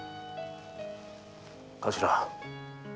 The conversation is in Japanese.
頭。